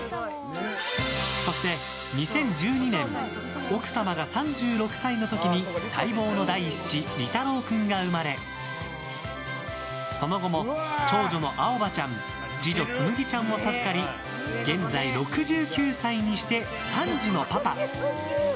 そして、２０１２年奥様が３６歳の時に待望の第１子理汰郎君が生まれその後も、長女の青葉ちゃん次女つむぎちゃんを授かり現在６９歳にして３児のパパ。